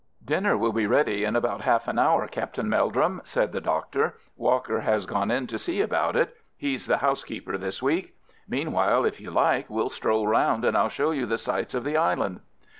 "Dinner will be ready in about half an hour, Captain Meldrum," said the Doctor. "Walker has gone in to see about it; he's the housekeeper this week. Meanwhile, if you like, we'll stroll round and I'll show you the sights of the island."